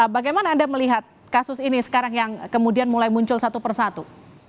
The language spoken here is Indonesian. bagaimana anda melihat kasus ini sekarang yang kemudian mulai muncul satu persatu